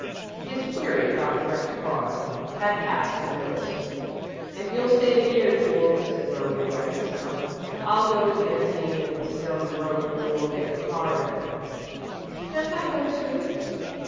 His query about the wrecked car had passed unnoticed. "If you'll stay here, Jule," said Romeo, wiping his mouth, "I'll go and get a team and some rope and we'll get the car in." "Can't I go too?"